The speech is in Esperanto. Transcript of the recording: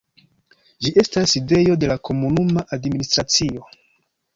Ĝi estas sidejo de la komunuma administracio.